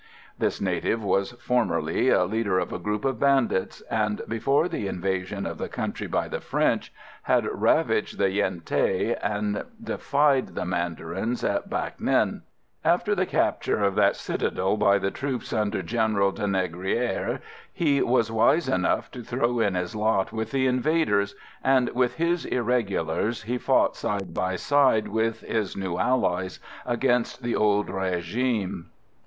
This native was formerly a leader of a group of bandits, and, before the invasion of the country by the French, had ravaged the Yen Thé and defied the mandarins in Bac Ninh. After the capture of that citadel by the troops under General de Négrier, he was wise enough to throw in his lot with the invaders, and with his irregulars he fought side by side with his new allies against the old régime.